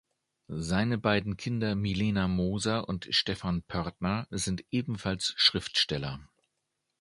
Seine beiden Kinder Milena Moser und Stephan Pörtner sind ebenfalls Schriftsteller.